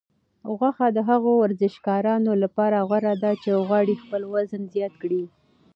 غوښه د هغو ورزشکارانو لپاره غوره ده چې غواړي خپل وزن زیات کړي.